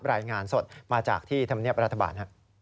รายงานสดมาจากที่ธรรมเนียบรัฐบาล